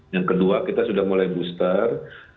yang kedua kita sudah mulai booster